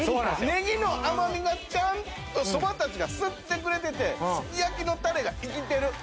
ネギの甘みがちゃんとそばたちが吸ってくれててすき焼きのタレが生きてる。